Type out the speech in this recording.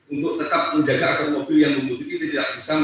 untuk tetap menjaga mobil yang membutuhkan itu tidak bisa